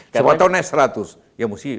semua tahun naik seratus ya mesti